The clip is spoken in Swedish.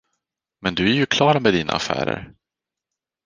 Men du är ju klar med dina affärer.